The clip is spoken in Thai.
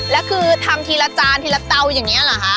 แล้วคือทำทีละจานทีละเตาอย่างนี้เหรอคะ